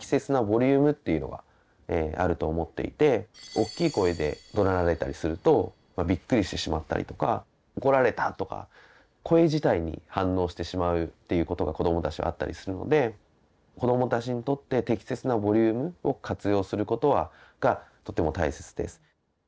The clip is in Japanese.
おっきい声でどなられたりするとびっくりしてしまったりとか怒られたとか声自体に反応してしまうっていうことが子どもたちはあったりするので子どもたちにとって適切なボリュームを活用することがとても大切です。